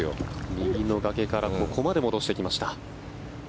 右の崖からここまで戻してきました。